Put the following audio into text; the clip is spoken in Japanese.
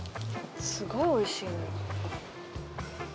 すごいおいしいのよ。